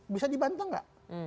bisa dibantu nggak